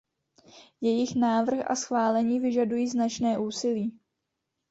Jejich návrh a schválení vyžadují značné úsilí.